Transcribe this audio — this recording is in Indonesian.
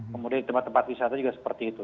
kemudian di tempat tempat wisata juga seperti itu